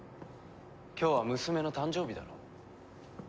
今日は娘の誕生日だろ？